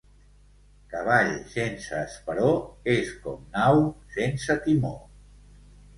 Cavall sense esperó és com nau sense timó.